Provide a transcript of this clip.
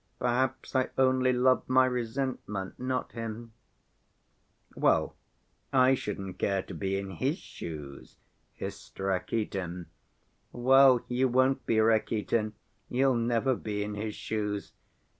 Perhaps I only love my resentment, not him ..." "Well, I shouldn't care to be in his shoes," hissed Rakitin. "Well, you won't be, Rakitin, you'll never be in his shoes.